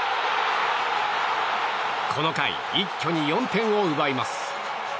この回、一挙に４点を奪います。